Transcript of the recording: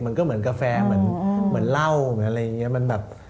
มันก็เหมือนกาแฟเหมือนเหล้าอะไรอย่างนี้